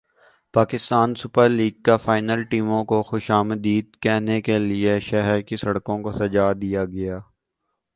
Pakistan super league کا final ٹیموں کو خوش مدید کہنے کے لئے شہر کی سڑکوں کوسجا دیا گیا